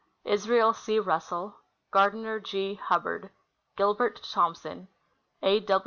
Israel C. Russell. Gardiner G. Hubbard. Gilbert Thompson. A.